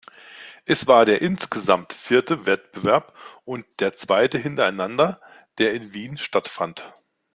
Es war der insgesamt vierte Wettbewerb und der zweite hintereinander, der in Wien stattfand.